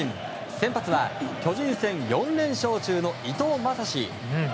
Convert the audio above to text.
先発は巨人戦４連勝中の伊藤将司。